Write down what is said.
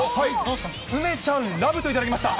梅ちゃん、ラブと頂きました。